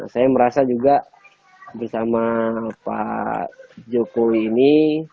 saya merasa juga bersama pak jokowi ini